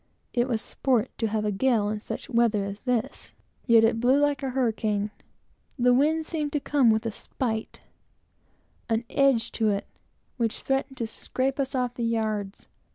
It was sport to have a gale in such weather as this. Yet it blew like a hurricane. The wind seemed to come with a spite, an edge to it, which threatened to scrape us off the yards.